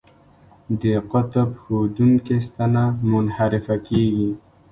د قطب ښودونکې ستنه منحرفه کیږي.